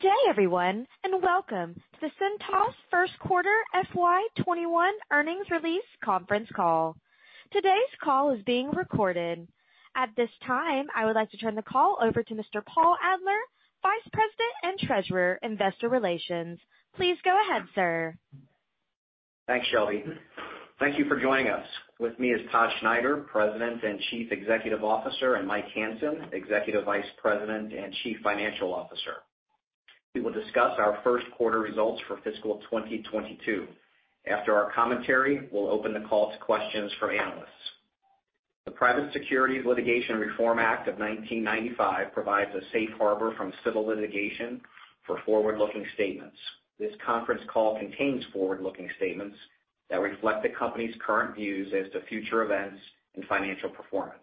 Good day, everyone, welcome to the Cintas First Quarter FY 2021 Earnings Release Conference Call. Today's call is being recorded. At this time, I would like to turn the call over to Mr. Paul Adler, Vice President and Treasurer, Investor Relations. Please go ahead, sir. Thanks, Shelby. Thank you for joining us. With me is Todd Schneider, President and Chief Executive Officer, and Mike Hansen, Executive Vice President and Chief Financial Officer. We will discuss our first quarter results for fiscal 2022. After our commentary, we'll open the call to questions from analysts. The Private Securities Litigation Reform Act of 1995 provides a safe harbor from civil litigation for forward-looking statements. This conference call contains forward-looking statements that reflect the company's current views as to future events and financial performance.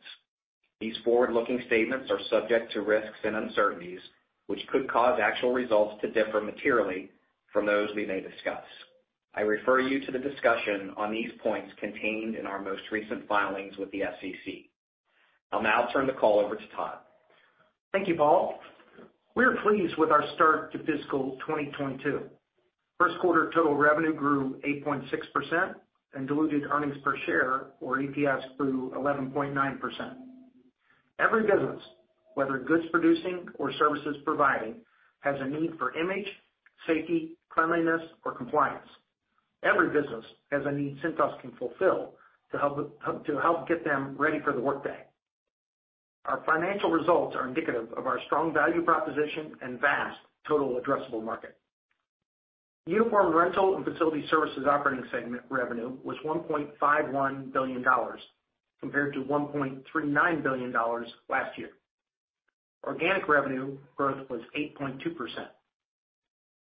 These forward-looking statements are subject to risks and uncertainties, which could cause actual results to differ materially from those we may discuss. I refer you to the discussion on these points contained in our most recent filings with the SEC. I'll now turn the call over to Todd. Thank you, Paul. We are pleased with our start to fiscal 2022. First quarter total revenue grew 8.6%, and diluted earnings per share, or EPS, grew 11.9%. Every business, whether goods producing or services providing, has a need for image, safety, cleanliness, or compliance. Every business has a need Cintas can fulfill to help get them ready for the workday. Our financial results are indicative of our strong value proposition and vast total addressable market. Uniform Rental and Facility Services operating segment revenue was $1.51 billion compared to $1.39 billion last year. Organic revenue growth was 8.2%.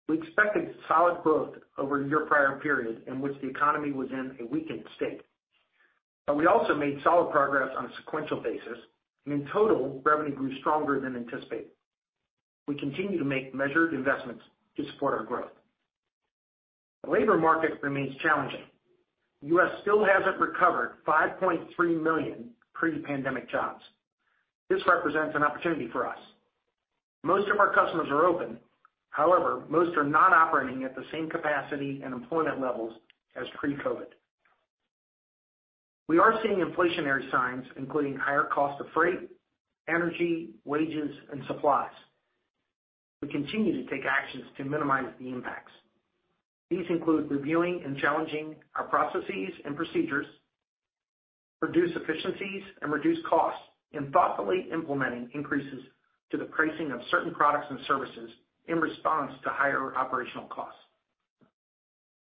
We expected solid growth over a year prior period in which the economy was in a weakened state, but we also made solid progress on a sequential basis, and in total, revenue grew stronger than anticipated. We continue to make measured investments to support our growth. The labor market remains challenging. U.S. still hasn't recovered 5.3 million pre-pandemic jobs. This represents an opportunity for us. Most of our customers are open. However, most are not operating at the same capacity and employment levels as pre-COVID-19. We are seeing inflationary signs, including higher cost of freight, energy, wages, and supplies. We continue to take actions to minimize the impacts. These include reviewing and challenging our processes and procedures, produce efficiencies, and reduce costs, and thoughtfully implementing increases to the pricing of certain products and services in response to higher operational costs.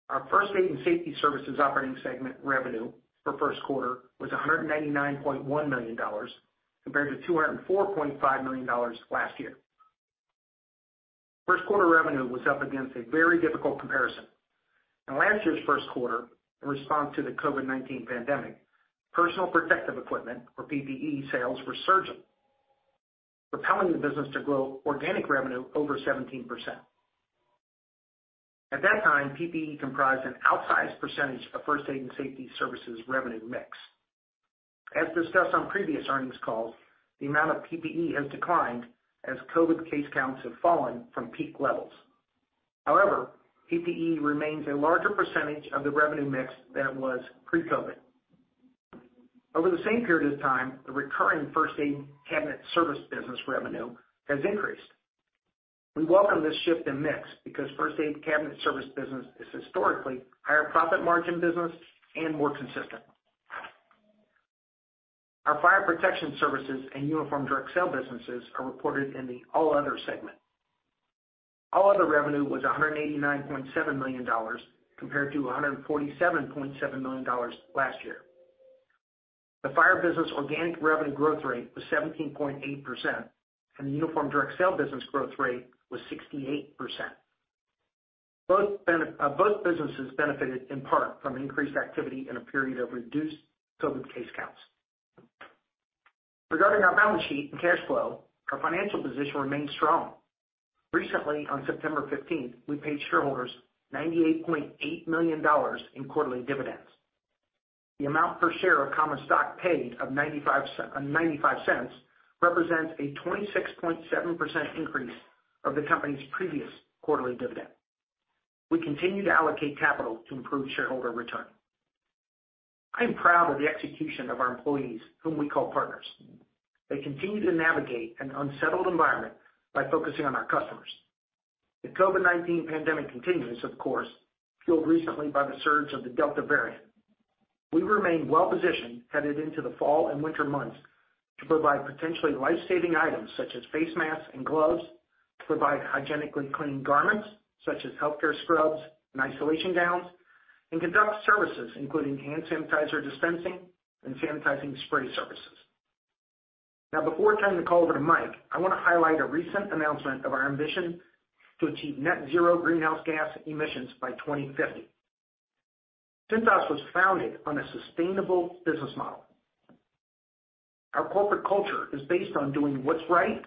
Our First Aid and Safety Services operating segment revenue for first quarter was $199.1 million compared to $204.5 million last year. First quarter revenue was up against a very difficult comparison. In last year's first quarter, in response to the COVID-19 pandemic, personal protective equipment, or PPE, sales were surging, propelling the business to grow organic revenue over 17%. At that time, PPE comprised an outsized percentage of First Aid and Safety Services revenue mix. As discussed on previous earnings calls, the amount of PPE has declined as COVID case counts have fallen from peak levels. However, PPE remains a larger percentage of the revenue mix than it was pre-COVID. Over the same period of time, the recurring First Aid cabinet service business revenue has increased. We welcome this shift in mix because First Aid cabinet service business is historically higher profit margin business and more consistent. Our Fire Protection Services and Uniform Direct Sale businesses are reported in the All Other segment. All Other revenue was $189.7 million compared to $147.7 million last year. The Fire business organic revenue growth rate was 17.8%, and the Uniform Direct Sale business growth rate was 68%. Both businesses benefited in part from increased activity in a period of reduced COVID-19 case counts. Regarding our balance sheet and cash flow, our financial position remains strong. Recently, on September 15th, we paid shareholders $98.8 million in quarterly dividends. The amount per share of common stock paid of $0.95 represents a 26.7% increase of the company's previous quarterly dividend. We continue to allocate capital to improve shareholder return. I am proud of the execution of our employees, whom we call partners. They continue to navigate an unsettled environment by focusing on our customers. The COVID-19 pandemic continues, of course, fueled recently by the surge of the Delta variant. We remain well-positioned headed into the fall and winter months to provide potentially life-saving items such as face masks and gloves, to provide hygienically clean garments such as healthcare scrubs and isolation gowns, and conduct services, including hand sanitizer dispensing and sanitizing spray services. Before turning the call over to Mike, I want to highlight a recent announcement of our ambition to achieve net zero greenhouse gas emissions by 2050. Cintas was founded on a sustainable business model. Our corporate culture is based on doing what's right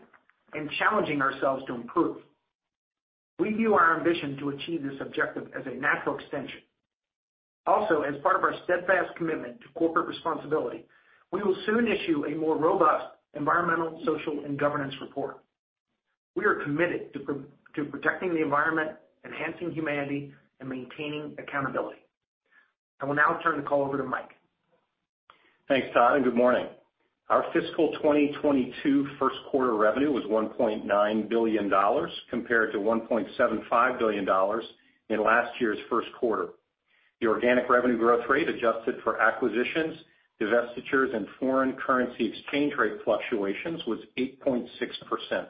and challenging ourselves to improve. We view our ambition to achieve this objective as a natural extension. As part of our steadfast commitment to corporate responsibility, we will soon issue a more robust environmental, social, and governance report. We are committed to protecting the environment, enhancing humanity, and maintaining accountability. I will now turn the call over to Mike. Thanks, Todd, and good morning. Our fiscal 2022 first quarter revenue was $1.9 billion, compared to $1.75 billion in last year's first quarter. The organic revenue growth rate, adjusted for acquisitions, divestitures, and foreign currency exchange rate fluctuations, was 8.6%.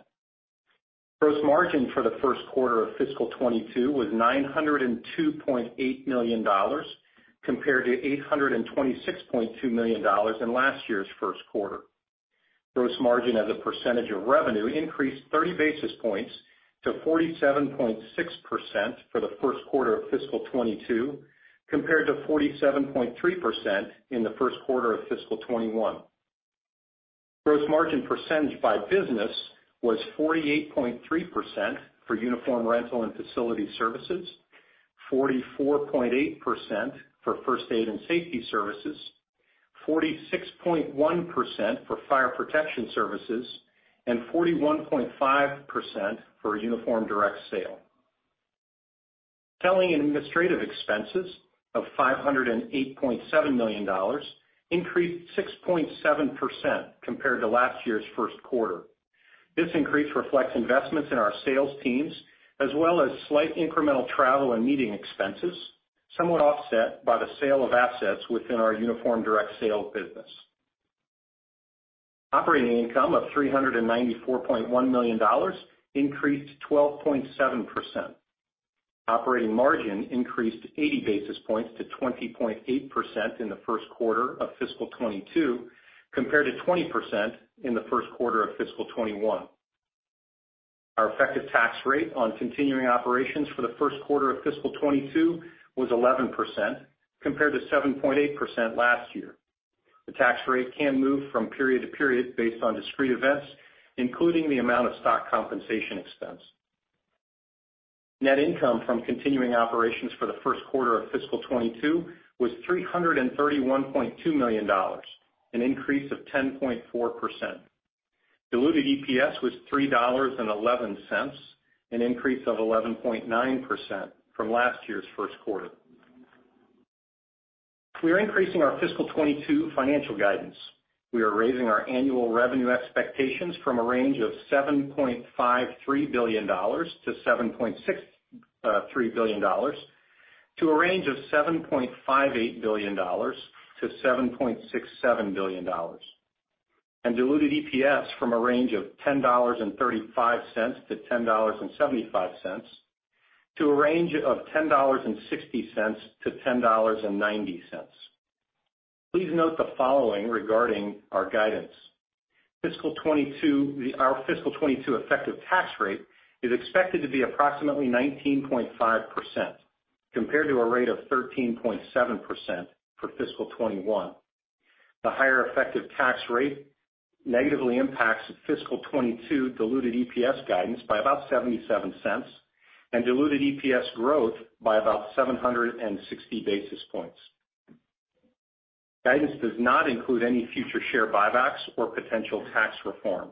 Gross margin for the first quarter of fiscal 2022 was $902.8 million, compared to $826.2 million in last year's first quarter. Gross margin as a percentage of revenue increased 30 basis points to 47.6% for the first quarter of fiscal 2022, compared to 47.3% in the first quarter of fiscal 2021. Gross margin percentage by business was 48.3% for Uniform Rental and Facility Services, 44.8% for First Aid and Safety Services, 46.1% for Fire Protection Services, and 41.5% for Uniform Direct Sale. Selling and administrative expenses of $508.7 million increased 6.7% compared to last year's first quarter. This increase reflects investments in our sales teams, as well as slight incremental travel and meeting expenses, somewhat offset by the sale of assets within our Uniform Direct Sale business. Operating income of $394.1 million increased 12.7%. Operating margin increased 80 basis points to 20.8% in the first quarter of fiscal 2022, compared to 20% in the first quarter of fiscal 2021. Our effective tax rate on continuing operations for the first quarter of fiscal 2022 was 11%, compared to 7.8% last year. The tax rate can move from period to period based on discrete events, including the amount of stock compensation expense. Net income from continuing operations for the first quarter of fiscal 2022 was $331.2 million, an increase of 10.4%. Diluted EPS was $3.11, an increase of 11.9% from last year's first quarter. We are increasing our fiscal 2022 financial guidance. We are raising our annual revenue expectations from a range of $7.53 billion-$7.63 billion, to a range of $7.58 billion-$7.67 billion. Diluted EPS from a range of $10.35-$10.75, to a range of $10.60-$10.90. Please note the following regarding our guidance. Our fiscal 2022 effective tax rate is expected to be approximately 19.5%, compared to a rate of 13.7% for fiscal 2021. The higher effective tax rate negatively impacts fiscal 2022 diluted EPS guidance by about $0.77, and diluted EPS growth by about 760 basis points. Guidance does not include any future share buybacks or potential tax reform.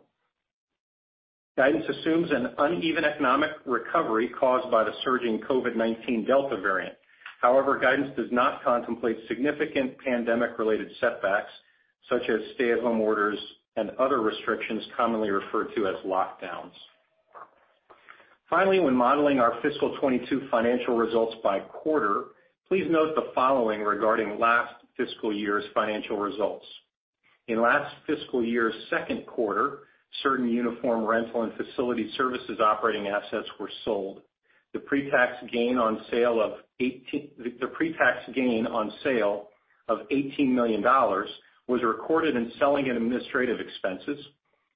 Guidance assumes an uneven economic recovery caused by the surging COVID-19 Delta variant. Guidance does not contemplate significant pandemic related setbacks, such as stay-at-home orders and other restrictions commonly referred to as lockdowns. Finally, when modeling our fiscal 2022 financial results by quarter, please note the following regarding last fiscal year's financial results. In last fiscal year's second quarter, certain Uniform Rental and Facility Services operating assets were sold. The pre-tax gain on sale of $18 million was recorded in selling and administrative expenses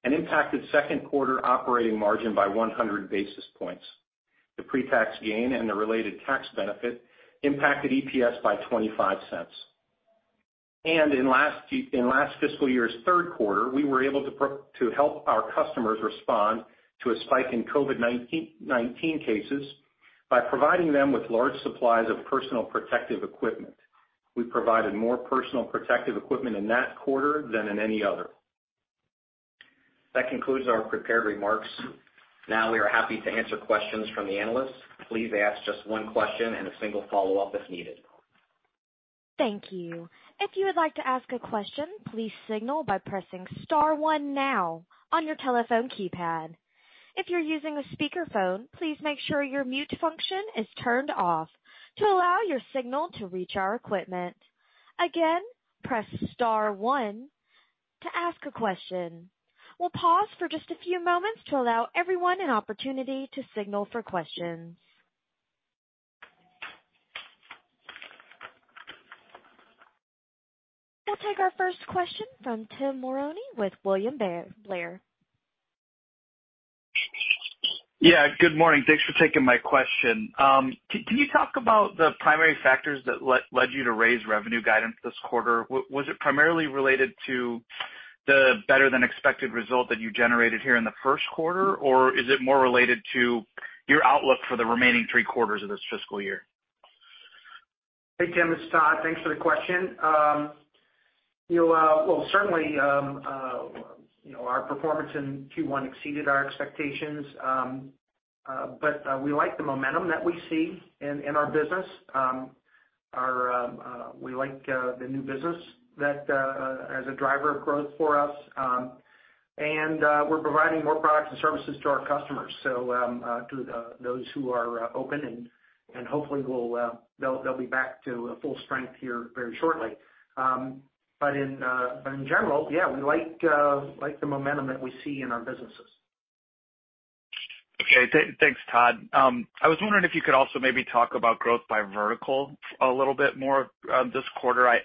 and impacted second quarter operating margin by 100 basis points. The pre-tax gain and the related tax benefit impacted EPS by $0.25. In last fiscal year's third quarter, we were able to help our customers respond to a spike in COVID-19 cases by providing them with large supplies of personal protective equipment. We provided more personal protective equipment in that quarter than in any other. That concludes our prepared remarks. Now we are happy to answer questions from the analysts. Please ask just one question and a single follow-up if needed. Thank you. If you would like to ask a question, please signal by pressing star one now on your telephone keypad. If you're using a speakerphone, please make sure your mute function is turned off to allow your signal to reach our equipment. Again, press star one to ask a question. We'll pause for just a few moments to allow everyone an opportunity to signal for questions. I'll take our first question from Tim Mulrooney with William Blair. Yeah. Good morning. Thanks for taking my question. Can you talk about the primary factors that led you to raise revenue guidance this quarter? Was it primarily related to the better than expected result that you generated here in the first quarter, or is it more related to your outlook for the remaining three quarters of this fiscal year? Hey, Tim, it's Todd. Thanks for the question. Well, certainly our performance in Q1 exceeded our expectations. We like the momentum that we see in our business. We like the new business as a driver of growth for us. We're providing more products and services to our customers, to those who are open and hopefully they'll be back to full strength here very shortly. In general, yeah, we like the momentum that we see in our businesses. Okay. Thanks, Todd. I was wondering if you could also maybe talk about growth by vertical a little bit more this quarter. I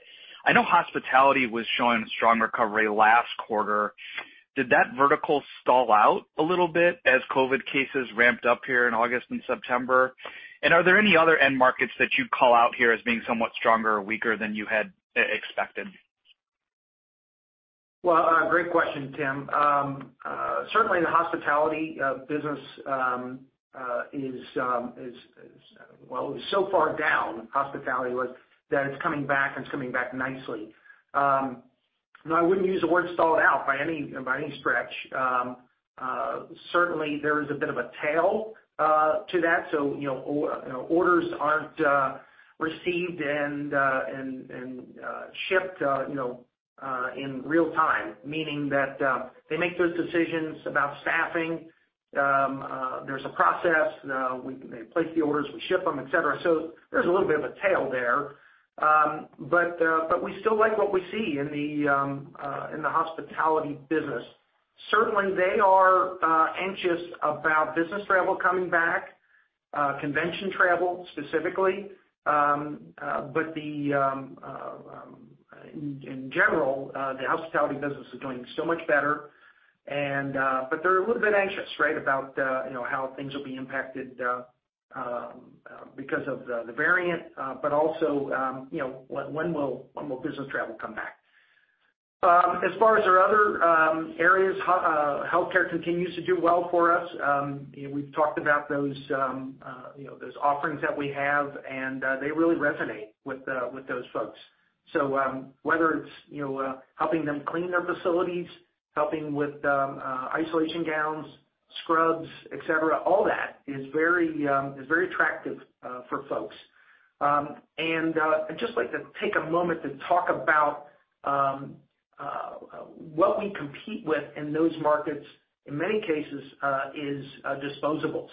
know hospitality was showing strong recovery last quarter. Did that vertical stall out a little bit as COVID-19 cases ramped up here in August and September? Are there any other end markets that you'd call out here as being somewhat stronger or weaker than you had expected? Great question, Tim. Certainly, the hospitality business, well, it was so far down, hospitality was, that it's coming back, and it's coming back nicely. I wouldn't use the word stalled out by any stretch. Certainly, there is a bit of a tail to that. Orders aren't received and shipped in real time, meaning that they make those decisions about staffing. There's a process. They place the orders, we ship them, et cetera. There's a little bit of a tail there. We still like what we see in the hospitality business. Certainly, they are anxious about business travel coming back, convention travel specifically. In general, the hospitality business is doing so much better, but they're a little bit anxious about how things will be impacted because of the variant. Also, when will business travel come back? As far as our other areas, healthcare continues to do well for us. We've talked about those offerings that we have, and they really resonate with those folks. Whether it's helping them clean their facilities, helping with isolation gowns, scrubs, et cetera, all that is very attractive for folks. I'd just like to take a moment to talk about what we compete with in those markets, in many cases, is disposables.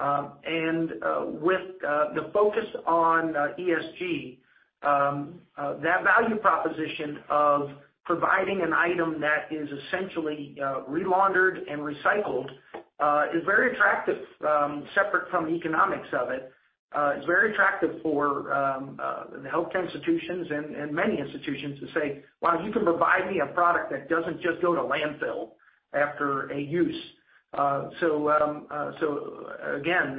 With the focus on ESG, that value proposition of providing an item that is essentially re-laundered and recycled is very attractive, separate from the economics of it. It's very attractive for the healthcare institutions and many institutions to say, "Wow, you can provide me a product that doesn't just go to landfill after a use." Again,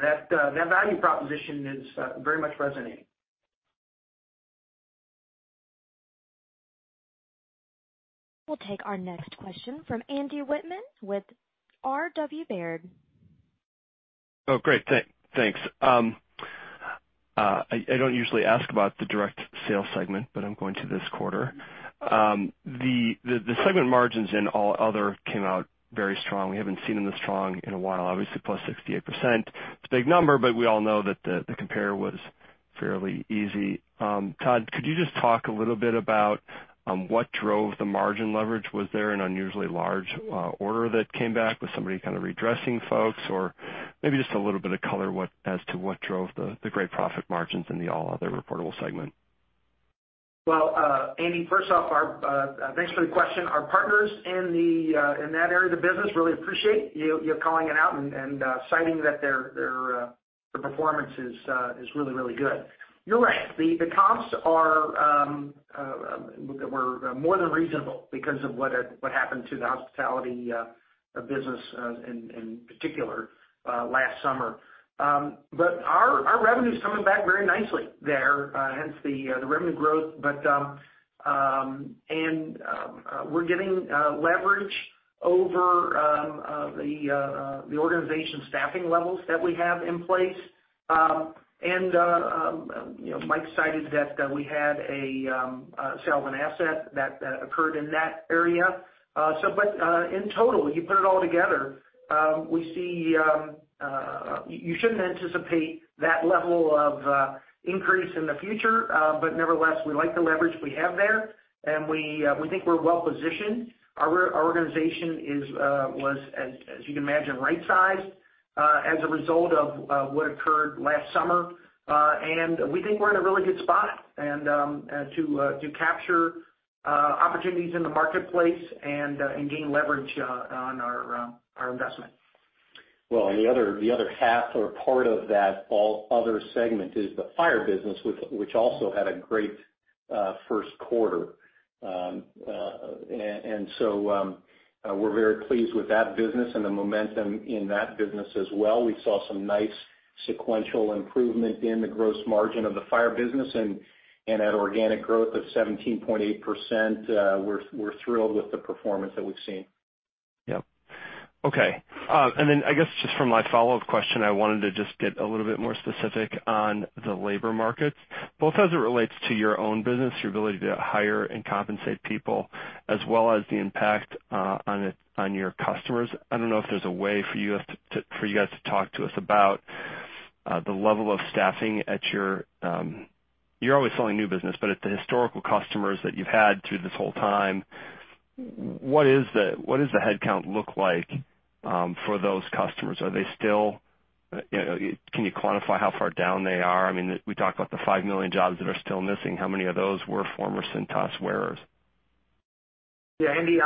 that value proposition is very much resonating. We'll take our next question from Andrew Wittmann with R.W. Baird. Oh, great. Thanks. I don't usually ask about the direct sales segment, I'm going to this quarter. The segment margins in All Other came out very strong. We haven't seen them this strong in a while, obviously, +68%. It's a big number, we all know that the comparer was fairly easy. Todd, could you just talk a little bit about what drove the margin leverage? Was there an unusually large order that came back? Was somebody kind of redressing folks? Maybe just a little bit of color as to what drove the great profit margins in the All Other reportable segment. Well, Andy, first off, thanks for the question. Our partners in that area of the business really appreciate you calling it out and citing that their performance is really, really good. You're right. The comps were more than reasonable because of what happened to the hospitality business in particular last summer. Our revenue's coming back very nicely there, hence the revenue growth. We're getting leverage over the organization staffing levels that we have in place. Mike cited that we had a sale of an asset that occurred in that area. In total, you put it all together, you shouldn't anticipate that level of increase in the future. Nevertheless, we like the leverage we have there, and we think we're well positioned. Our organization was, as you can imagine, right sized as a result of what occurred last summer. We think we're in a really good spot to capture opportunities in the marketplace and gain leverage on our investment. The other half or part of that All Other segment is the Fire business, which also had a great first quarter. We're very pleased with that business and the momentum in that business as well. We saw some nice sequential improvement in the gross margin of the Fire business and an organic growth of 17.8%. We're thrilled with the performance that we've seen. Yep. Okay. I guess just for my follow-up question, I wanted to just get a little bit more specific on the labor markets, both as it relates to your own business, your ability to hire and compensate people, as well as the impact on your customers. I don't know if there's a way for you guys to talk to us about the level of staffing. You're always selling new business, but at the historical customers that you've had through this whole time, what does the headcount look like for those customers? Can you quantify how far down they are? We talked about the 5 million jobs that are still missing. How many of those were former Cintas wearers? Andy,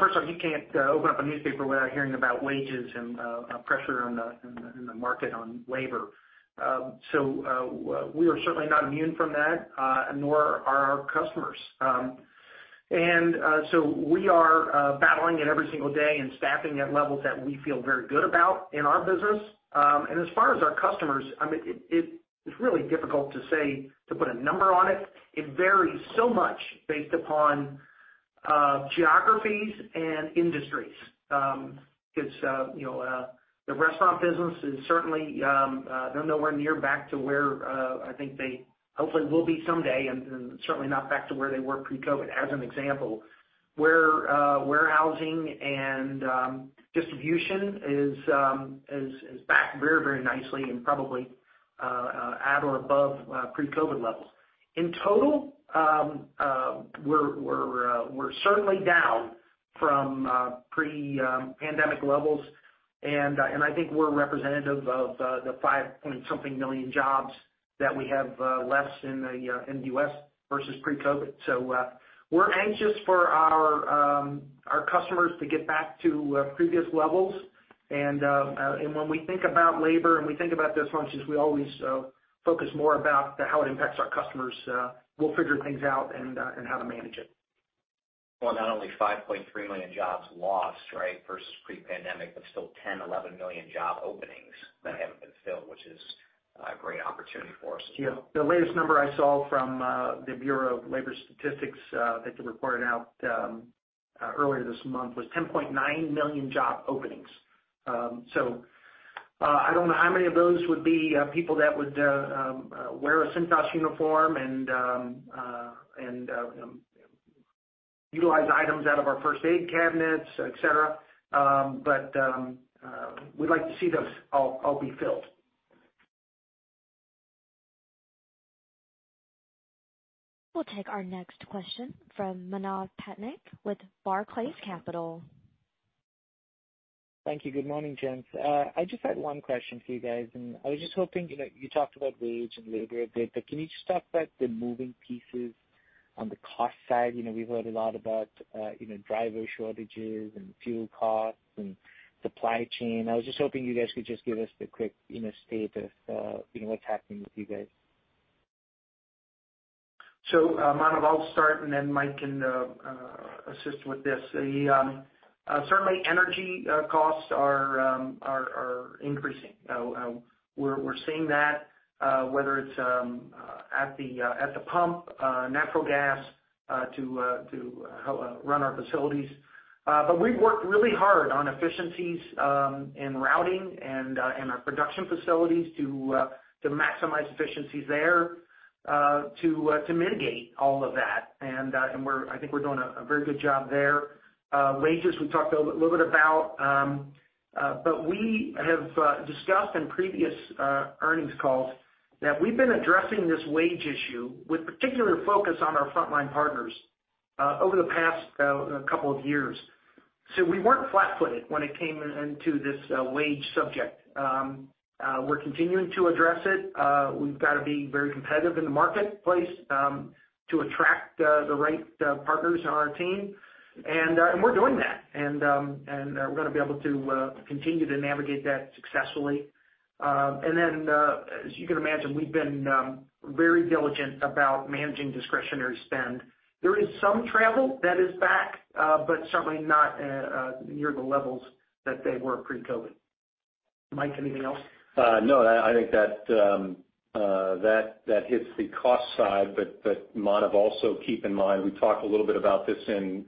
first off, you can't open up a newspaper without hearing about wages and pressure in the market on labor. We are certainly not immune from that, nor are our customers. We are battling it every single day and staffing at levels that we feel very good about in our business. As far as our customers, it's really difficult to say, to put a number on it. It varies so much based upon geographies and industries. The restaurant business is certainly nowhere near back to where I think they hopefully will be someday, and certainly not back to where they were pre-COVID, as an example. Warehousing and distribution is back very nicely and probably at or above pre-COVID levels. In total, we're certainly down from pre-pandemic levels, and I think we're representative of the five point something million jobs that we have less in the U.S. versus pre-COVID. We're anxious for our customers to get back to previous levels. When we think about labor and we think about those functions, we always focus more about how it impacts our customers. We'll figure things out and how to manage it. Well, not only 5.3 million jobs lost, right, versus pre-pandemic, but still 10, 11 million job openings that haven't been filled, which is a great opportunity for us too. Yeah. The latest number I saw from the Bureau of Labor Statistics that they reported out earlier this month was 10.9 million job openings. I don't know how many of those would be people that would wear a Cintas uniform and utilize items out of our first aid cabinets, et cetera. We'd like to see those all be filled. We'll take our next question from Manav Patnaik with Barclays Capital. Thank you. Good morning, gents. I just had one question for you guys, and I was just hoping, you talked about wage and labor a bit, but can you just talk about the moving pieces on the cost side? We've heard a lot about driver shortages and fuel costs and supply chain. I was just hoping you guys could just give us the quick state of what's happening with you guys. Manav, I'll start, and then Mike can assist with this. Certainly energy costs are increasing. We're seeing that whether it's at the pump, natural gas to run our facilities. We've worked really hard on efficiencies and routing and our production facilities to maximize efficiencies there to mitigate all of that. I think we're doing a very good job there. Wages, we talked a little bit about. We have discussed in previous earnings calls that we've been addressing this wage issue with particular focus on our frontline partners over the past couple of years. We weren't flat-footed when it came into this wage subject. We're continuing to address it. We've got to be very competitive in the marketplace to attract the right partners on our team, and we're doing that. We're going to be able to continue to navigate that successfully. As you can imagine, we've been very diligent about managing discretionary spend. There is some travel that is back, but certainly not near the levels that they were pre-COVID-19. Mike, anything else? No, I think that hits the cost side. Manav, also keep in mind, we talked a little bit about this in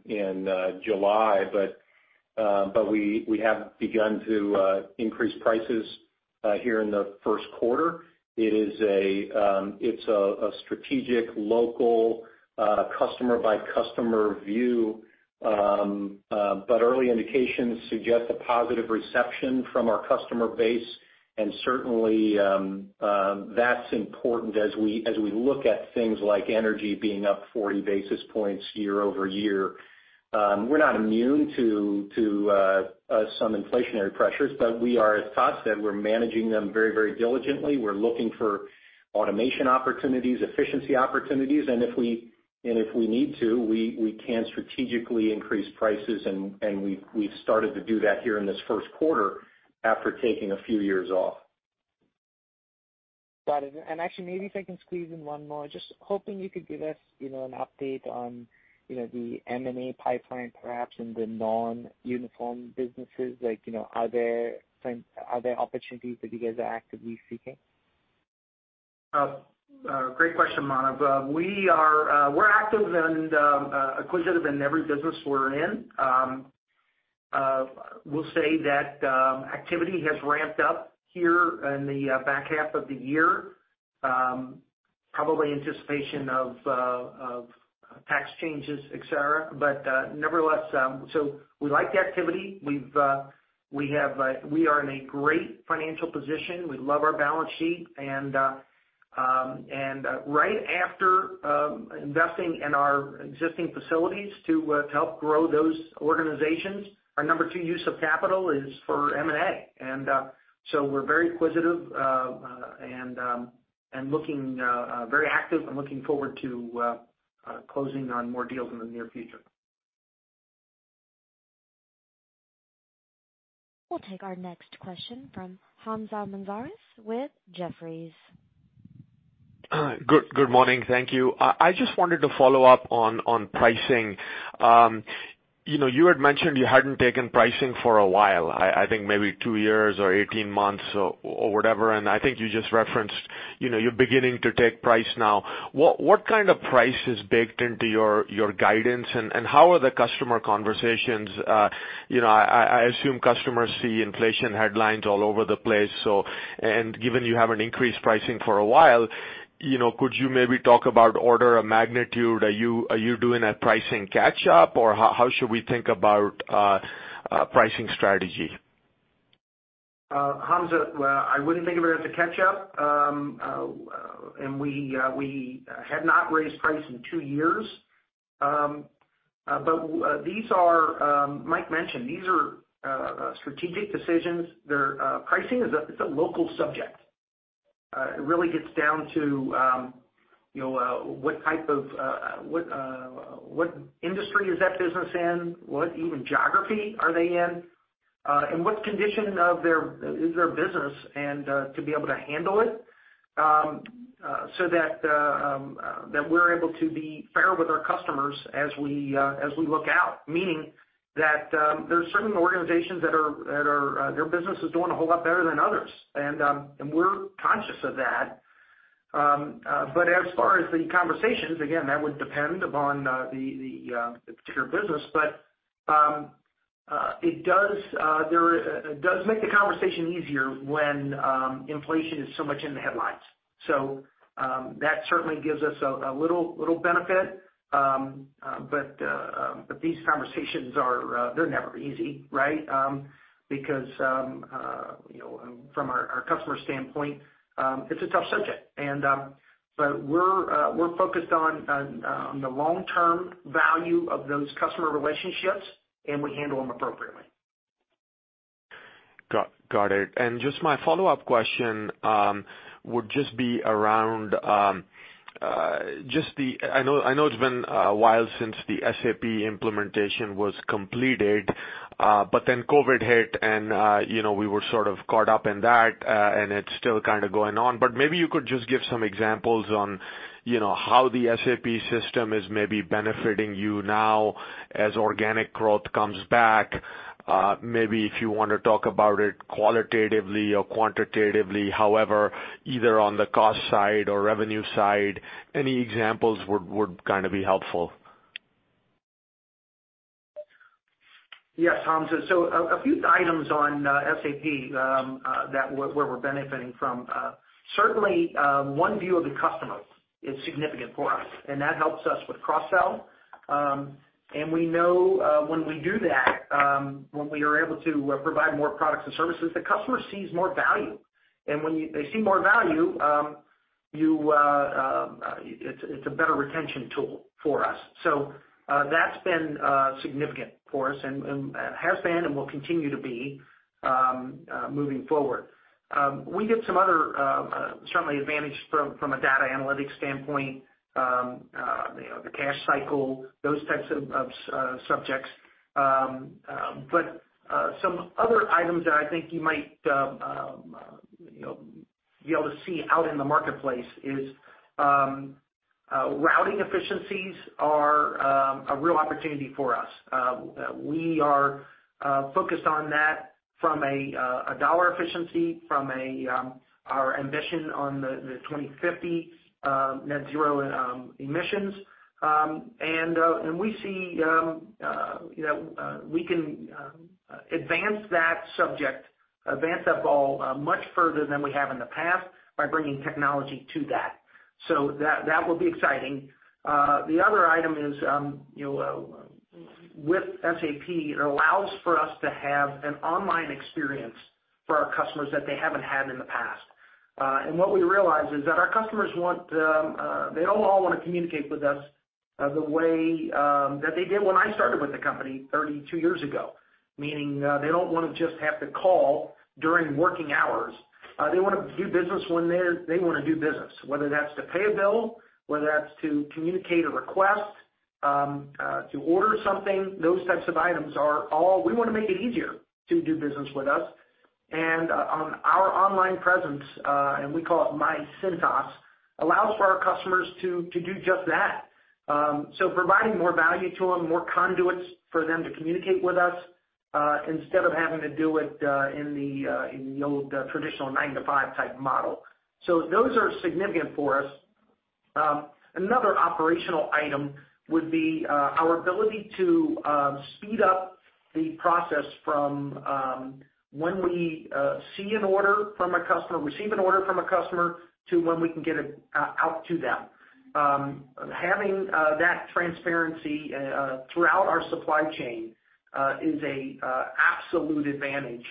July, but we have begun to increase prices here in the first quarter. It's a strategic local customer-by-customer view, but early indications suggest a positive reception from our customer base, and certainly that's important as we look at things like energy being up 40 basis points year-over-year. We're not immune to some inflationary pressures, but we are, as Todd said, we're managing them very diligently. We're looking for automation opportunities, efficiency opportunities, and if we need to, we can strategically increase prices, and we've started to do that here in this first quarter after taking a few years off. Got it. Actually, maybe if I can squeeze in one more, just hoping you could give us an update on the M&A pipeline, perhaps, in the non-uniform businesses. Are there opportunities that you guys are actively seeking? Great question, Manav. We're active and inquisitive in every business we're in. Will say that activity has ramped up here in the back half of the year, probably anticipation of tax changes, et cetera. Nevertheless, we like the activity. We are in a great financial position. We love our balance sheet, and right after investing in our existing facilities to help grow those organizations, our number two use of capital is for M&A. We're very inquisitive, and very active, and looking forward to closing on more deals in the near future. We'll take our next question from Hamzah Mazari with Jefferies. Good morning. Thank you. I just wanted to follow up on pricing. You had mentioned you hadn't taken pricing for a while, I think maybe two years or 18 months or whatever. I think you just referenced you're beginning to take price now. What kind of price is baked into your guidance, and how are the customer conversations? I assume customers see inflation headlines all over the place, and given you haven't increased pricing for a while, could you maybe talk about order of magnitude? Are you doing a pricing catch-up, or how should we think about pricing strategy? Hamzah, I wouldn't think of it as a catch-up. We had not raised price in two years. Mike mentioned, these are strategic decisions. Pricing, it's a local subject. It really gets down to what industry is that business in, what even geography are they in, and what condition is their business and to be able to handle it, so that we're able to be fair with our customers as we look out, meaning that there are certain organizations that their business is doing a whole lot better than others. We're conscious of that. As far as the conversations, again, that would depend upon the particular business. It does make the conversation easier when inflation is so much in the headlines. That certainly gives us a little benefit. These conversations, they're never easy, right? Because from our customer standpoint, it's a tough subject. We're focused on the long-term value of those customer relationships, and we handle them appropriately. Got it. Just my follow-up question would just be around, I know it's been a while since the SAP implementation was completed, COVID hit and we were sort of caught up in that, and it's still kind of going on. Maybe you could just give some examples on how the SAP system is maybe benefiting you now as organic growth comes back. If you want to talk about it qualitatively or quantitatively, however, either on the cost side or revenue side, any examples would be helpful. Yes, Hamzah. A few items on SAP that we're benefiting from. Certainly, one view of the customer is significant for us, and that helps us with cross-sell. We know when we do that, when we are able to provide more products and services, the customer sees more value. When they see more value, it's a better retention tool for us. That's been significant for us and has been and will continue to be moving forward. We get some other, certainly advantage from a data analytics standpoint, the cash cycle, those types of subjects. Some other items that I think you might be able to see out in the marketplace is routing efficiencies are a real opportunity for us. We are focused on that from a dollar efficiency, from our ambition on the 2050 net zero emissions. We see we can advance that subject, advance that ball much further than we have in the past by bringing technology to that. That will be exciting. The other item is with SAP, it allows for us to have an online experience for our customers that they haven't had in the past. What we realize is that our customers, they don't all want to communicate with us the way that they did when I started with the company 32 years ago, meaning they don't want to just have to call during working hours. They want to do business when they want to do business, whether that's to pay a bill, whether that's to communicate a request to order something, those types of items are all, we want to make it easier to do business with us. Our online presence, and we call it myCintas, allows for our customers to do just that. Providing more value to them, more conduits for them to communicate with us, instead of having to do it in the old traditional 9-to-5 type model. Those are significant for us. Another operational item would be our ability to speed up the process from when we see an order from a customer, receive an order from a customer to when we can get it out to them. Having that transparency throughout our supply chain is an absolute advantage,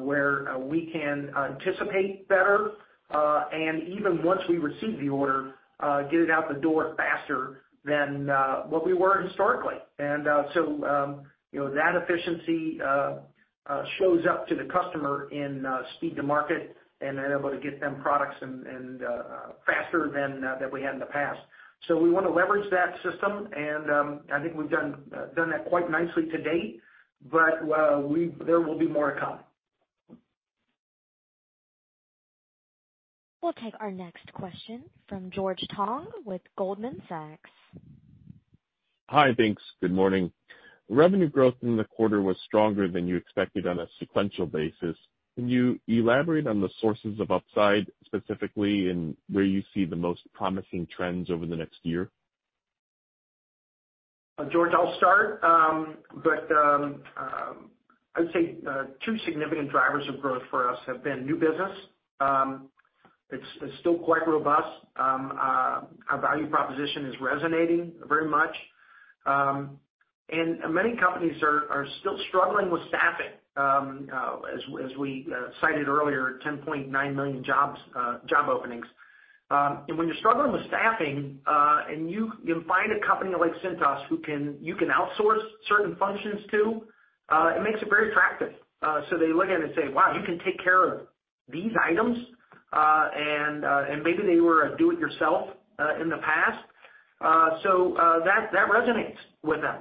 where we can anticipate better. Even once we receive the order, get it out the door faster than what we were historically. That efficiency shows up to the customer in speed to market, and they're able to get them products and faster than that we had in the past. We want to leverage that system, and I think we've done that quite nicely to date, but there will be more to come. We'll take our next question from George Tong with Goldman Sachs. Hi, thanks. Good morning. Revenue growth in the quarter was stronger than you expected on a sequential basis. Can you elaborate on the sources of upside, specifically in where you see the most promising trends over the next year? George, I'll start. I would say two significant drivers of growth for us have been new business. It's still quite robust. Our value proposition is resonating very much. Many companies are still struggling with staffing. As we cited earlier, 10.9 million job openings. When you're struggling with staffing, and you find a company like Cintas who you can outsource certain functions to, it makes it very attractive. They look in and say, "Wow, you can take care of these items?" Maybe they were a do-it-yourself in the past. That resonates with them.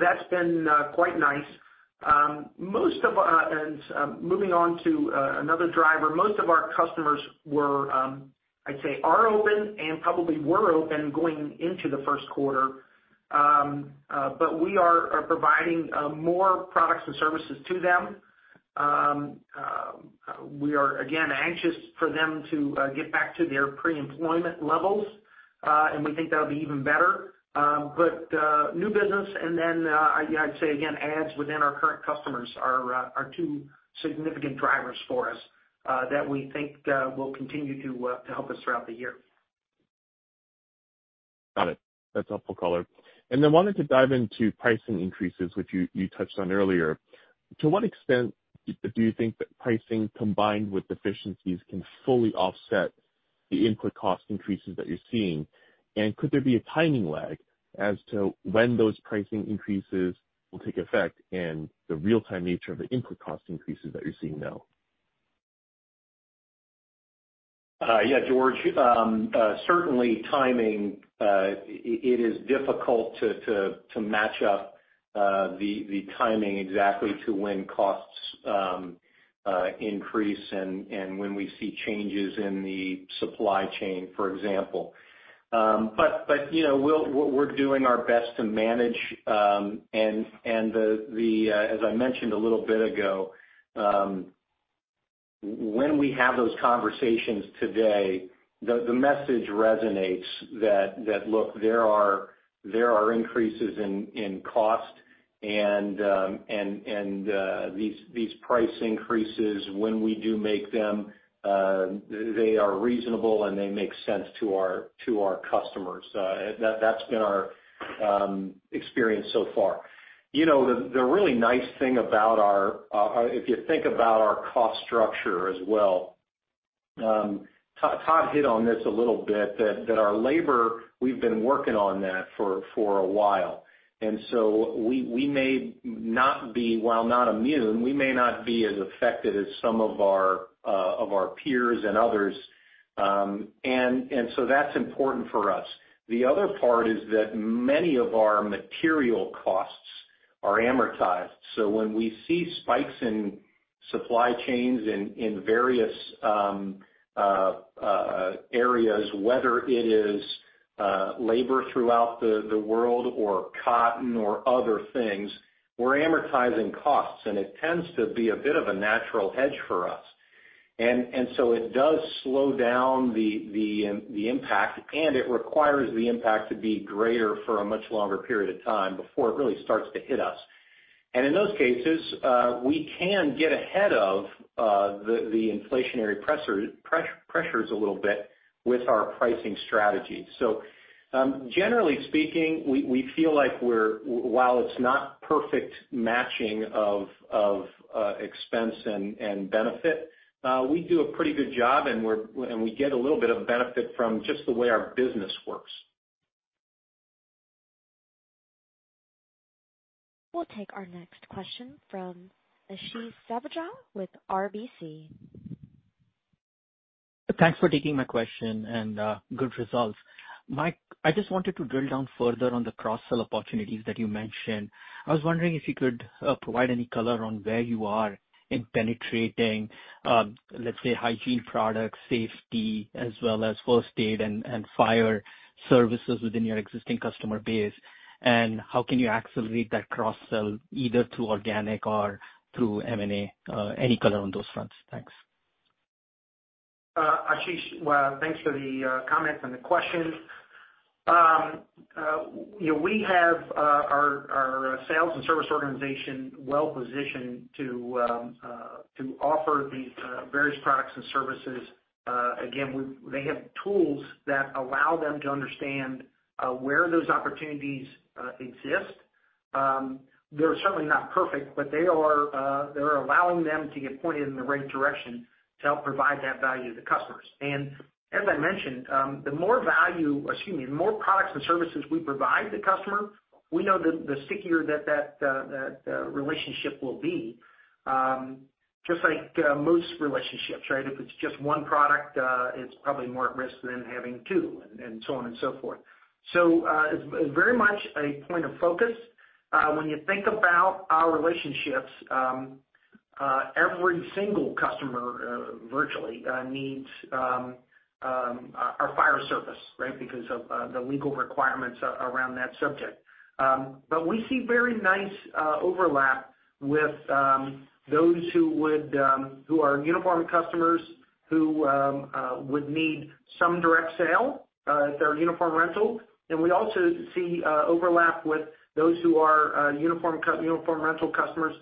That's been quite nice. Moving on to another driver, most of our customers were, I'd say, are open and probably were open going into the first quarter. We are providing more products and services to them. We are, again, anxious for them to get back to their pre-employment levels, and we think that'll be even better. New business and then I'd say again, adds within our current customers are two significant drivers for us that we think will continue to help us throughout the year. Got it. That's helpful color. I wanted to dive into pricing increases, which you touched on earlier. To what extent do you think that pricing combined with efficiencies can fully offset the input cost increases that you're seeing? Could there be a timing lag as to when those pricing increases will take effect and the real-time nature of the input cost increases that you're seeing now? George. Certainly timing, it is difficult to match up the timing exactly to when costs increase and when we see changes in the supply chain, for example. We're doing our best to manage, and as I mentioned a little bit ago, when we have those conversations today, the message resonates that look, there are increases in cost and these price increases when we do make them, they are reasonable, and they make sense to our customers. That's been our experience so far. The really nice thing about if you think about our cost structure as well, Todd hit on this a little bit, that our labor, we've been working on that for a while. While not immune, we may not be as affected as some of our peers and others. That's important for us. The other part is that many of our material costs are amortized. When we see spikes in supply chains in various areas, whether it is labor throughout the world or cotton or other things, we're amortizing costs, and it tends to be a bit of a natural hedge for us. It does slow down the impact, and it requires the impact to be greater for a much longer period of time before it really starts to hit us. In those cases, we can get ahead of the inflationary pressures a little bit with our pricing strategy. Generally speaking, we feel like while it's not perfect matching of expense and benefit, we do a pretty good job and we get a little bit of benefit from just the way our business works. We'll take our next question from Ashish Sabadra with RBC. Thanks for taking my question and good results. Mike, I just wanted to drill down further on the cross-sell opportunities that you mentioned. I was wondering if you could provide any color on where you are in penetrating, let's say, hygiene products, safety, as well as First Aid and Fire Protection Services within your existing customer base, and how can you accelerate that cross-sell either through organic or through M&A? Any color on those fronts? Thanks. Ashish, thanks for the comments and the questions. We have our sales and service organization well-positioned to offer these various products and services. They have tools that allow them to understand where those opportunities exist. They're certainly not perfect, but they are allowing them to get pointed in the right direction to help provide that value to customers. As I mentioned, the more value, excuse me, the more products and services we provide the customer, we know the stickier that that relationship will be. Just like most relationships, right? If it's just one product, it's probably more at risk than having two, and so on and so forth. It's very much a point of focus. When you think about our relationships, every single customer virtually needs our Fire service, right? Because of the legal requirements around that subject. We see very nice overlap with those who are uniform customers who would need some direct sale, their uniform rental. We also see overlap with those who are uniform rental customers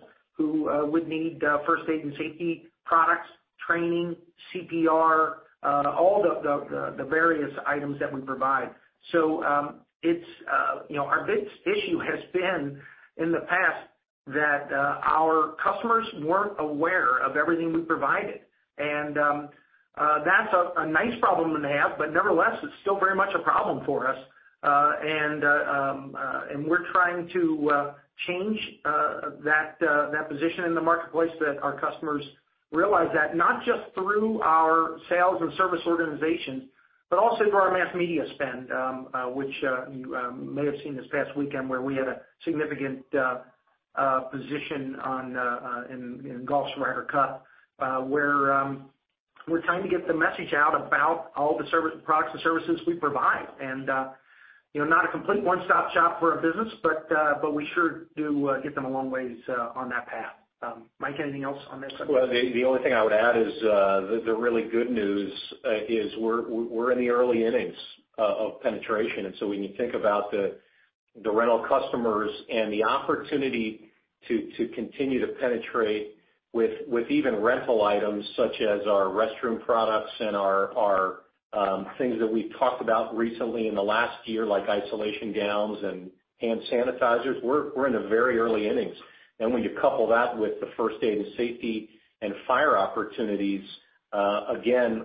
who would need first aid and safety products, training, CPR, all the various items that we provide. Our big issue has been, in the past that our customers weren't aware of everything we provided. That's a nice problem to have, but nevertheless, it's still very much a problem for us. We're trying to change that position in the marketplace that our customers realize that not just through our sales and service organization, but also through our mass media spend which you may have seen this past weekend where we had a significant position in golf's Ryder Cup, where we're trying to get the message out about all the products and services we provide. Not a complete one-stop shop for our business, but we sure do get them a long ways on that path. Mike, anything else on this? Well, the only thing I would add is the really good news is we're in the early innings of penetration. When you think about the rental customers and the opportunity to continue to penetrate with even rental items such as our restroom products and our things that we've talked about recently in the last year, like isolation gowns and hand sanitizers, we're in the very early innings. When you couple that with the First Aid and Safety and Fire opportunities, again,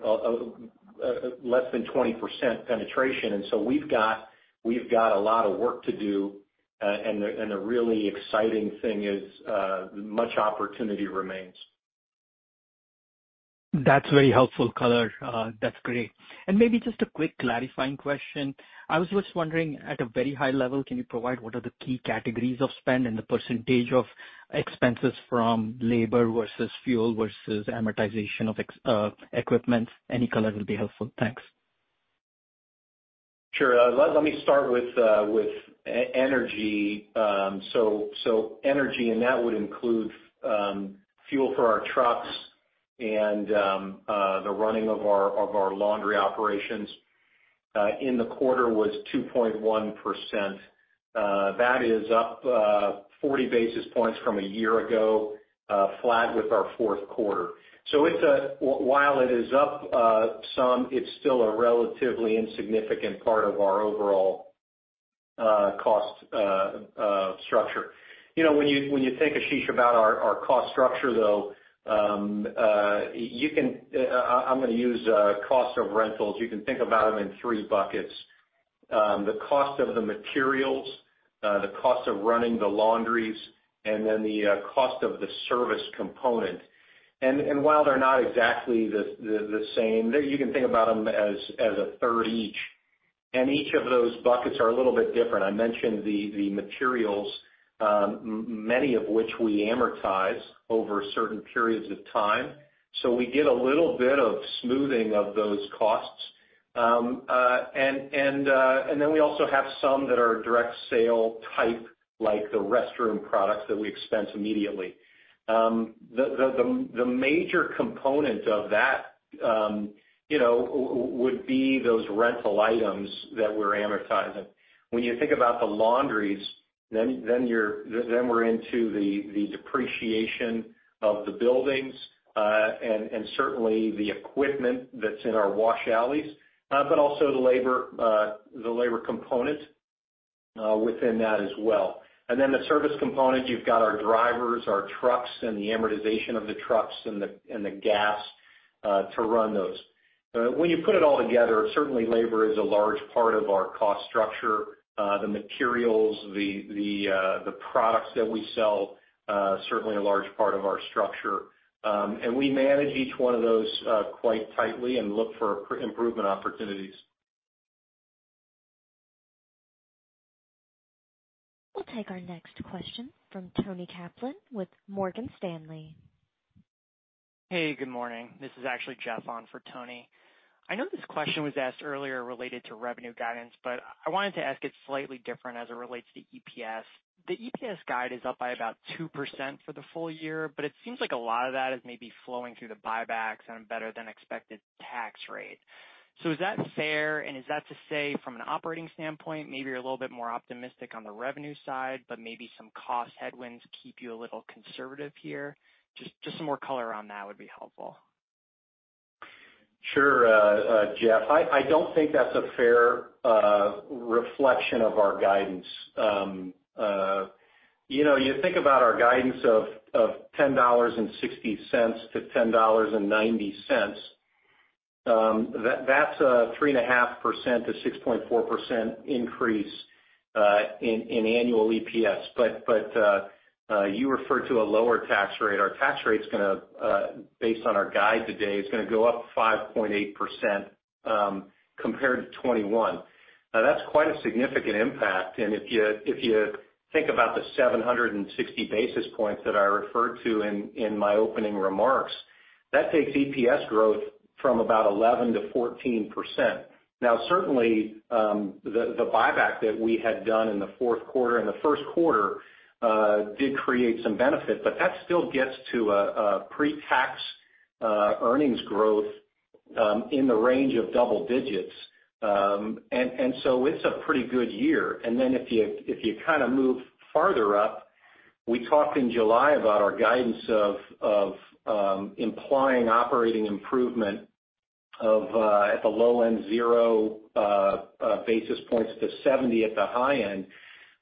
less than 20% penetration. We've got a lot of work to do, and the really exciting thing is much opportunity remains. That's very helpful color. That's great. Maybe just a quick clarifying question. I was just wondering, at a very high level, can you provide what are the key categories of spend and the percentage of expenses from labor versus fuel versus amortization of equipment? Any color will be helpful. Thanks. Sure. Let me start with energy. Energy, and that would include fuel for our trucks and the running of our laundry operations, in the quarter was 2.1%. That is up 40 basis points from a year ago, flat with our fourth quarter. While it is up some, it's still a relatively insignificant part of our overall cost structure. When you think, Ashish, about our cost structure, though, I'm going to use cost of rentals. You can think about them in three buckets. The cost of the materials, the cost of running the laundries, and then the cost of the service component. While they're not exactly the same, you can think about them as a third each, and each of those buckets are a little bit different. I mentioned the materials, many of which we amortize over certain periods of time. We get a little bit of smoothing of those costs. We also have some that are direct sale type, like the restroom products that we expense immediately. The major component of that would be those rental items that we're amortizing. When you think about the laundries, we're into the depreciation of the buildings, and certainly the equipment that's in our wash alleys, but also the labor component within that as well. The service component, you've got our drivers, our trucks, and the amortization of the trucks and the gas to run those. When you put it all together, certainly labor is a large part of our cost structure. The materials, the products that we sell, certainly a large part of our structure. We manage each one of those quite tightly and look for improvement opportunities. We'll take our next question from Toni Kaplan with Morgan Stanley. Hey, good morning. This is actually Jeff on for Toni. I know this question was asked earlier related to revenue guidance. I wanted to ask it slightly different as it relates to EPS. The EPS guide is up by about 2% for the full year. It seems like a lot of that is maybe flowing through the buybacks on a better than expected tax rate. Is that fair? Is that to say, from an operating standpoint, maybe you're a little bit more optimistic on the revenue side, but maybe some cost headwinds keep you a little conservative here? Just some more color around that would be helpful. Sure, Jeff. I don't think that's a fair reflection of our guidance. You think about our guidance of $10.60-$10.90. That's a 3.5%-6.4% increase in annual EPS. You refer to a lower tax rate. Our tax rate's, based on our guide today, it's going to go up 5.8% compared to 2021. That's quite a significant impact. If you think about the 760 basis points that I referred to in my opening remarks, that takes EPS growth from about 11%-14%. Certainly, the buyback that we had done in the fourth quarter and the first quarter did create some benefit. That still gets to a pre-tax earnings growth in the range of double digits. It's a pretty good year. Then if you kind of move farther up, we talked in July about our guidance of implying operating improvement of at the low end, zero basis points to 70 at the high end.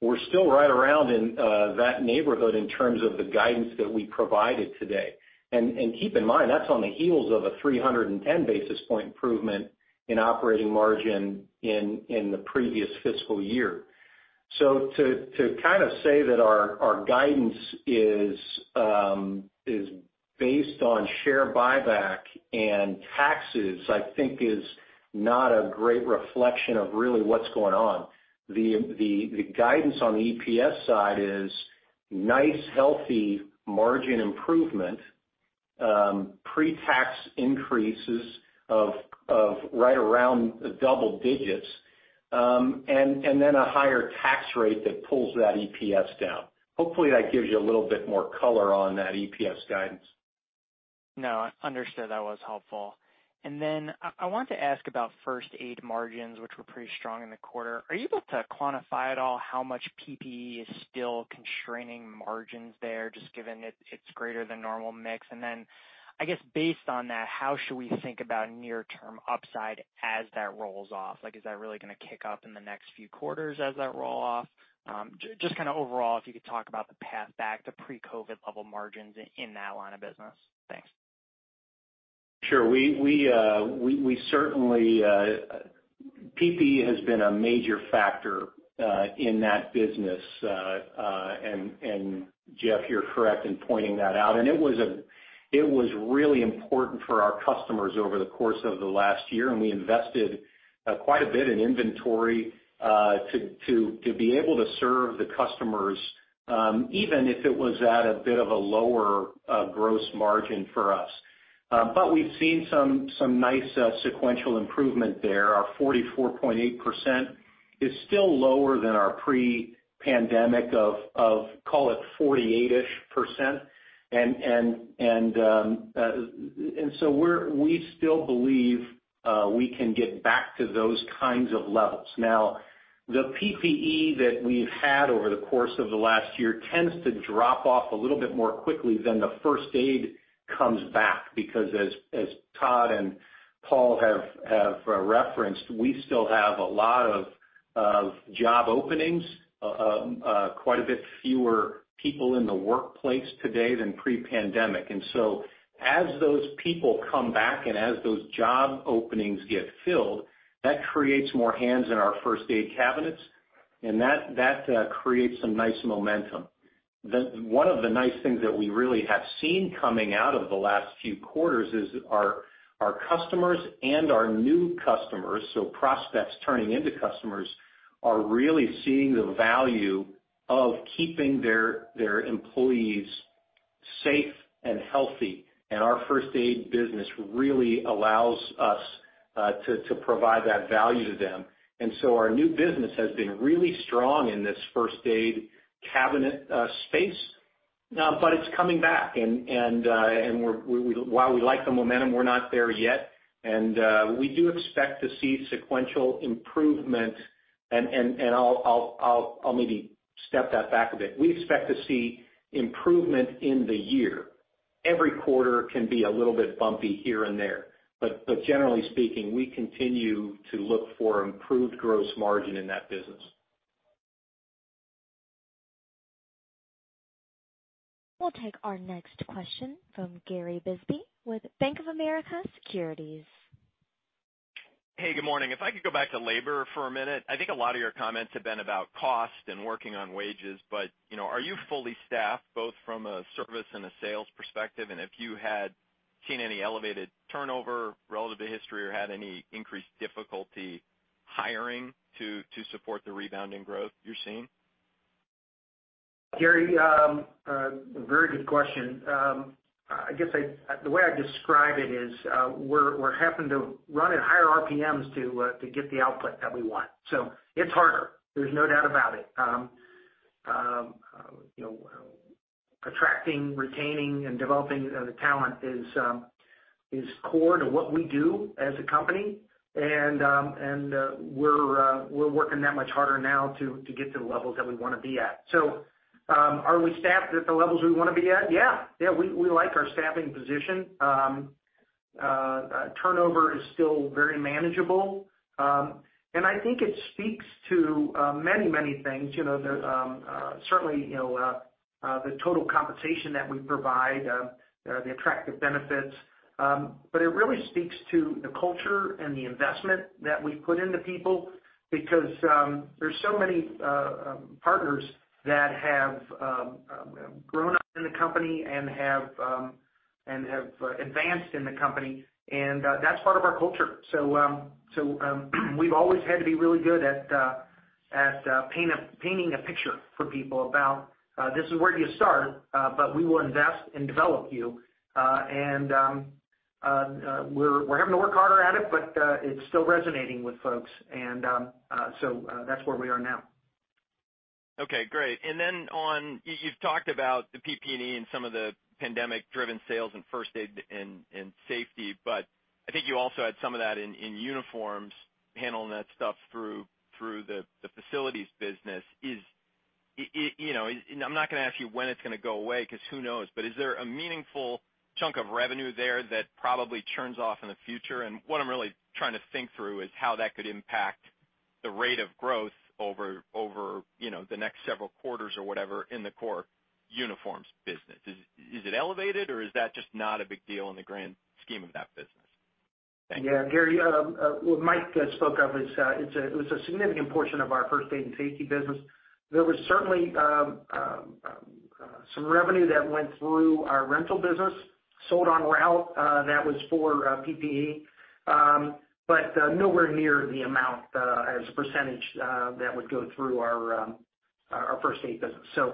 We're still right around in that neighborhood in terms of the guidance that we provided today. Keep in mind, that's on the heels of a 310 basis point improvement in operating margin in the previous fiscal year. To kind of say that our guidance is based on share buyback and taxes, I think is not a great reflection of really what's going on. The guidance on the EPS side is nice, healthy margin improvement, pre-tax increases of right around double digits, and then a higher tax rate that pulls that EPS down. Hopefully, that gives you a little bit more color on that EPS guidance. No, understood. That was helpful. I want to ask about First Aid margins, which were pretty strong in the quarter. Are you able to quantify at all how much PPE is still constraining margins there, just given it's greater than normal mix? I guess based on that, how should we think about near-term upside as that rolls off? Is that really going to kick up in the next few quarters as that roll-off? Just kind of overall, if you could talk about the path back to pre-COVID level margins in that line of business. Thanks. Sure. PPE has been a major factor in that business. Jeff, you're correct in pointing that out. It was really important for our customers over the course of the last year, and we invested quite a bit in inventory to be able to serve the customers, even if it was at a bit of a lower gross margin for us. We've seen some nice sequential improvement there. Our 44.8% is still lower than our pre-pandemic of, call it 48%-ish. We still believe we can get back to those kinds of levels. The PPE that we've had over the course of the last year tends to drop off a little bit more quickly than the first aid comes back, because as Todd and Paul have referenced, we still have a lot of job openings, quite a bit fewer people in the workplace today than pre-pandemic. As those people come back and as those job openings get filled, that creates more hands in our first aid cabinets, and that creates some nice momentum. One of the nice things that we really have seen coming out of the last few quarters is our customers and our new customers, so prospects turning into customers, are really seeing the value of keeping their employees safe and healthy. Our first aid business really allows us to provide that value to them. Our new business has been really strong in this first aid cabinet space, but it's coming back. While we like the momentum, we're not there yet. We do expect to see sequential improvement. I'll maybe step that back a bit. We expect to see improvement in the year. Every quarter can be a little bit bumpy here and there. Generally speaking, we continue to look for improved gross margin in that business. We'll take our next question from Gary Bisbee with Bank of America Securities. Hey, good morning. If I could go back to labor for a minute. I think a lot of your comments have been about cost and working on wages. Are you fully staffed both from a service and a sales perspective? If you had seen any elevated turnover relative to history or had any increased difficulty hiring to support the rebounding growth you're seeing? Gary, very good question. I guess, the way I describe it is, we're having to run at higher RPMs to get the output that we want. It's harder, there's no doubt about it. Attracting, retaining, and developing the talent is core to what we do as a company. We're working that much harder now to get to the levels that we want to be at. Are we staffed at the levels we want to be at? Yeah. We like our staffing position. Turnover is still very manageable. I think it speaks to many, many things. Certainly, the total compensation that we provide, the attractive benefits. It really speaks to the culture and the investment that we put into people because there's so many partners that have grown up in the company and have advanced in the company, and that's part of our culture. We've always had to be really good at painting a picture for people about, this is where you start, but we will invest and develop you. We're having to work harder at it, but it's still resonating with folks. That's where we are now. Okay, great. You've talked about the PPE and some of the pandemic-driven sales in First Aid and Safety, but I think you also had some of that in uniforms, handling that stuff through the facilities business. I'm not going to ask you when it's going to go away, because who knows? Is there a meaningful chunk of revenue there that probably churns off in the future? What I'm really trying to think through is how that could impact the rate of growth over the next several quarters or whatever in the core uniforms business. Is it elevated, or is that just not a big deal in the grand scheme of that business? Thank you. Gary, what Mike spoke of, it was a significant portion of our First Aid and Safety business. There was certainly some revenue that went through our Rental business, sold on route, that was for PPE. Nowhere near the amount, as a percentage, that would go through our First Aid and Safety business.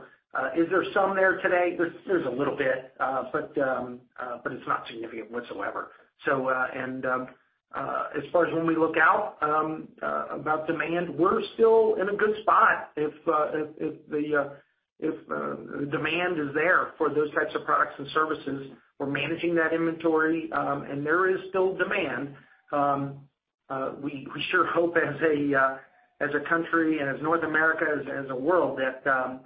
Is there some there today? There's a little bit, but it's not significant whatsoever. As far as when we look out about demand, we're still in a good spot. If the demand is there for those types of products and services, we're managing that inventory, and there is still demand. We sure hope as a country and as North America, as a world, that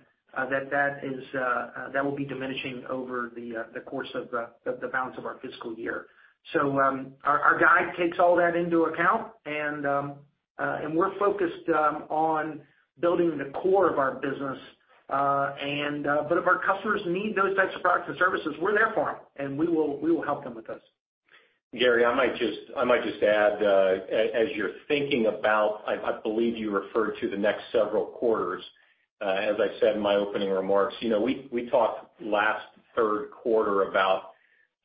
will be diminishing over the course of the balance of our fiscal year. Our guide takes all that into account, and we're focused on building the core of our business. If our customers need those types of products and services, we're there for them, and we will help them with this. Gary, I might just add, as you're thinking about, I believe you referred to the next several quarters. As I said in my opening remarks, we talked last third quarter about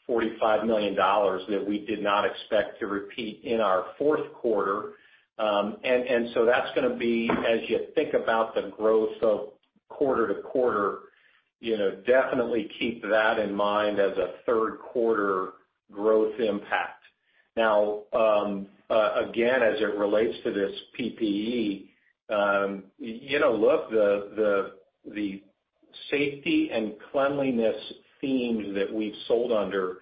$45 million that we did not expect to repeat in our fourth quarter. That's going to be, as you think about the growth of quarter to quarter, definitely keep that in mind as a third quarter growth impact. Now, again, as it relates to this PPE. Look, the safety and cleanliness theme that we've sold under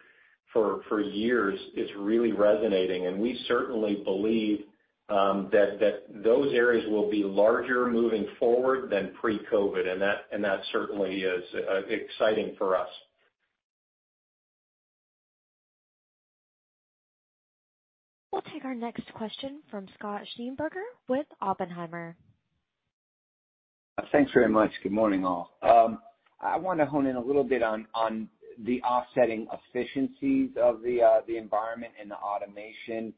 for years is really resonating, and we certainly believe that those areas will be larger moving forward than pre-COVID, and that certainly is exciting for us. We'll take our next question from Scott Schneeberger with Oppenheimer. Thanks very much. Good morning, all. I want to hone in a little bit on the offsetting efficiencies of the environment and the automation.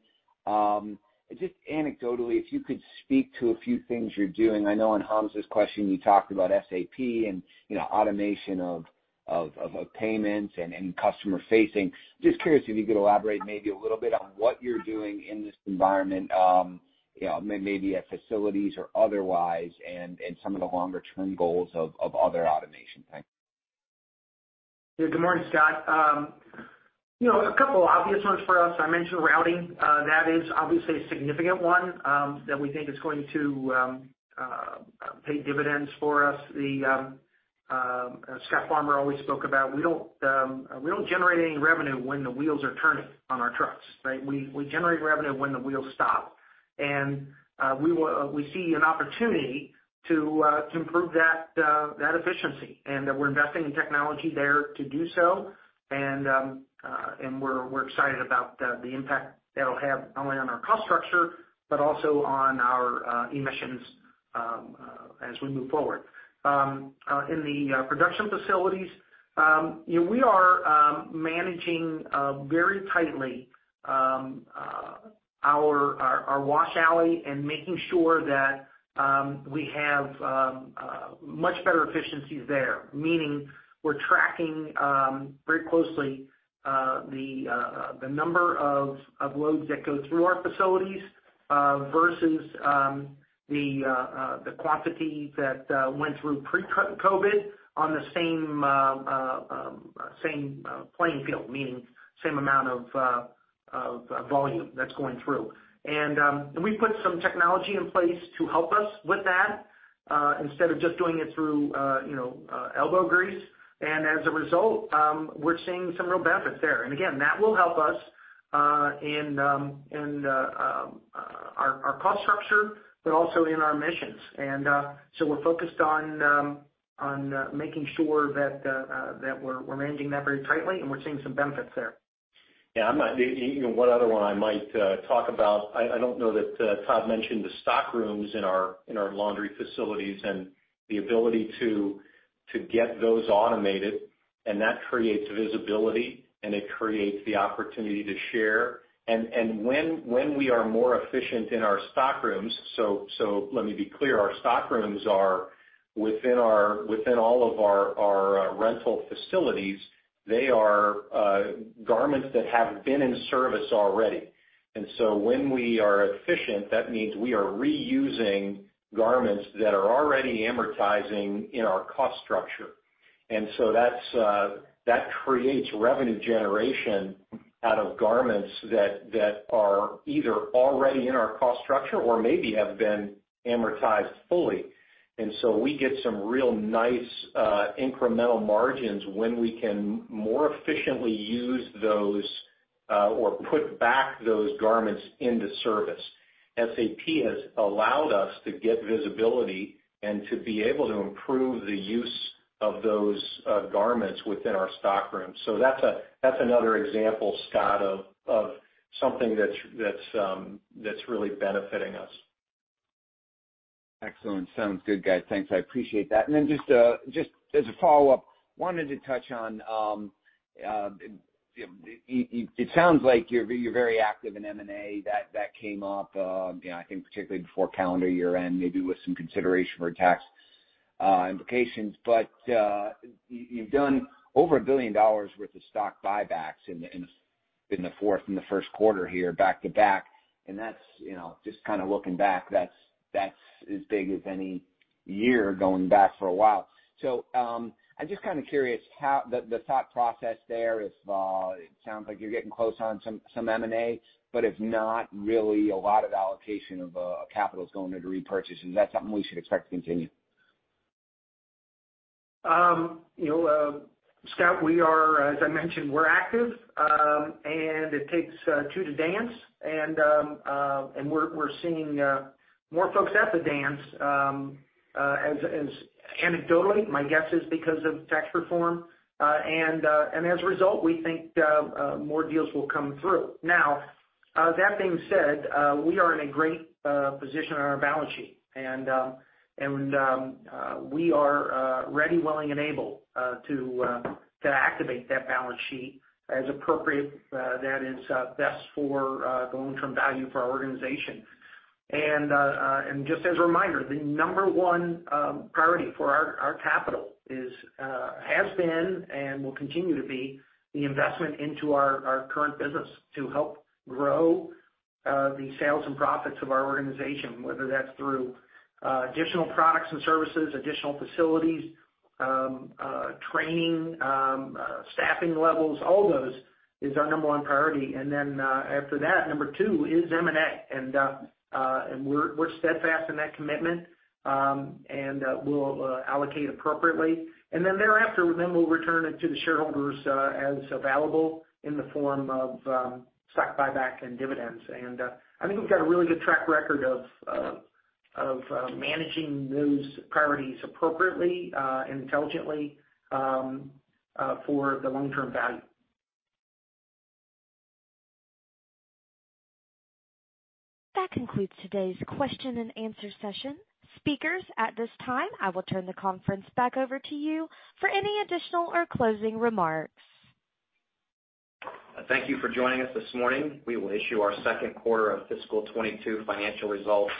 Just anecdotally, if you could speak to a few things you're doing. I know in Hamzah's question, you talked about SAP and automation of payments and customer facing. Just curious if you could elaborate maybe a little bit on what you're doing in this environment, maybe at facilities or otherwise, and some of the longer-term goals of other automation. Thanks. Yeah. Good morning, Scott. A couple of obvious ones for us. I mentioned routing. That is obviously a significant one that we think is going to pay dividends for us. Scott Farmer always spoke about, we don't generate any revenue when the wheels are turning on our trucks, right? We generate revenue when the wheels stop. We see an opportunity to improve that efficiency, and we're investing in technology there to do so. We're excited about the impact that'll have not only on our cost structure but also on our emissions as we move forward. In the production facilities, we are managing very tightly our wash alley and making sure that we have much better efficiencies there. We're tracking very closely the number of loads that go through our facilities versus the quantity that went through pre-COVID on the same playing field, meaning same amount of volume that's going through. We put some technology in place to help us with that, instead of just doing it through elbow grease. As a result, we're seeing some real benefits there. Again, that will help us in our cost structure, but also in our missions. We're focused on making sure that we're managing that very tightly, and we're seeing some benefits there. Yeah. One other one I might talk about, I don't know that Todd mentioned the stock rooms in our laundry facilities and the ability to get those automated, and that creates visibility, and it creates the opportunity to share. When we are more efficient in our stock rooms, let me be clear, our stock rooms are within all of our rental facilities. They are garments that have been in service already. When we are efficient, that means we are reusing garments that are already amortizing in our cost structure. That creates revenue generation out of garments that are either already in our cost structure or maybe have been amortized fully. We get some real nice incremental margins when we can more efficiently use those or put back those garments into service. SAP has allowed us to get visibility and to be able to improve the use of those garments within our stock room. That's another example, Scott, of something that's really benefiting us. Excellent. Sounds good, guys. Thanks. I appreciate that. Then just as a follow-up, wanted to touch on, it sounds like you're very active in M&A. That came up, I think particularly before calendar year-end, maybe with some consideration for tax implications. You've done over $1 billion worth of stock buybacks in the fourth and the first quarter here, back to back, and just kind of looking back, that's as big as any year going back for a while. I'm just kind of curious the thought process there. It sounds like you're getting close on some M&A, If not, really a lot of allocation of capital's going into repurchasing. Is that something we should expect to continue? Scott, as I mentioned, we're active. It takes two to dance, and we're seeing more folks at the dance as anecdotally, my guess is because of tax reform. As a result, we think more deals will come through. Now, that being said, we are in a great position on our balance sheet and we are ready, willing, and able to activate that balance sheet as appropriate that is best for the long-term value for our organization. Just as a reminder, the number one priority for our capital has been and will continue to be the investment into our current business to help grow the sales and profits of our organization, whether that's through additional products and services, additional facilities, training, staffing levels, all those, is our number one priority. Then after that, number two is M&A, and we're steadfast in that commitment. We'll allocate appropriately. Thereafter, then we'll return it to the shareholders as available in the form of stock buyback and dividends. I think we've got a really good track record of managing those priorities appropriately and intelligently for the long-term value. That concludes today's question-and-answer session. Speakers, at this time, I will turn the conference back over to you for any additional or closing remarks. Thank you for joining us this morning. We will issue our second quarter of fiscal 2022 financial results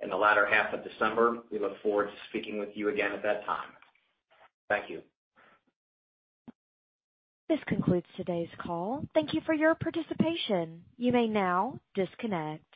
in the latter half of December. We look forward to speaking with you again at that time. Thank you. This concludes today's call. Thank you for your participation. You may now disconnect.